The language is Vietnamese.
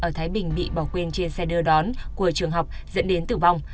ở thái bình bị bỏ quên trên xe đưa đón của trường học dẫn đến tử vong